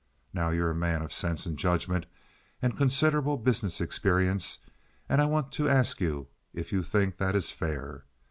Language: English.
Now you're a man of sense and judgment and considerable business experience, and I want to ask you if you think that is fair.